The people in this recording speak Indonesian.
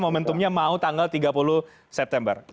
momentumnya mau tanggal tiga puluh september